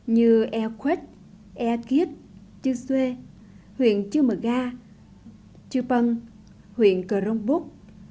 như airquest airkids chư xê huyện chư mờ ga chư bân huyện cờ rông búc